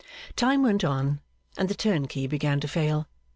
Time went on, and the turnkey began to fail.